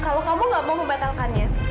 kalau kamu gak mau membatalkannya